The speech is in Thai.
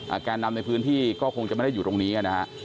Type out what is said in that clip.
แกนนำในพื้นที่ก็คงจะไม่ได้อยู่ตรงนี้นะฮะ